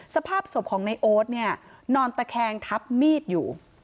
สภาพศพของในโอ๊ตเนี่ยนอนตะแคงทับมีดอยู่